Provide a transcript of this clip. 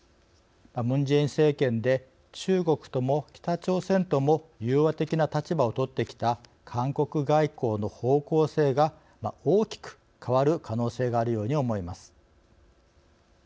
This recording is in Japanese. ムン・ジェイン政権で中国とも北朝鮮とも融和的な立場をとってきた韓国外交の方向性が大きく変わる可能性があるように思います。